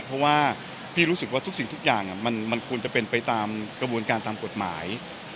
เพราะว่าพี่รู้สึกว่าทุกสิ่งทุกอย่างมันควรจะเป็นไปตามกระบวนการตามกฎหมาย